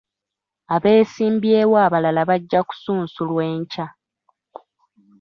Abeesimbyewo abalala bajja kusunsulwa enkya.